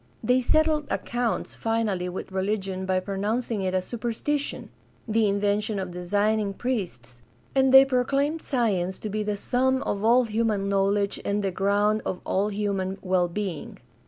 They settled accounts finally with religion by pronouncing it a superstition — the invention of designing priests; and they proclaimed science to be the sum of all human knowledge and the ground of all human well being.